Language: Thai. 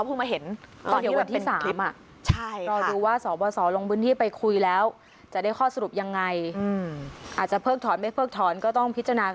อืมก็เขาพบมาเห็น